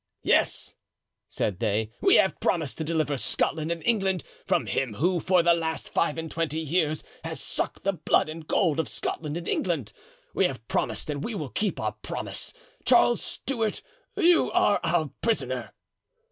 "Yes," said they, "we have promised to deliver Scotland and England from him who for the last five and twenty years has sucked the blood and gold of Scotland and England. We have promised and we will keep our promise. Charles Stuart, you are our prisoner."